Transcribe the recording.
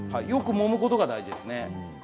よくもむことが大事ですね。